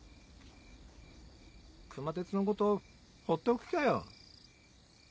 熊徹のことほっておく気かよ。